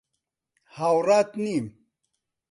هاوڕات نیم.